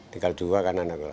tinggal dua kan anaknya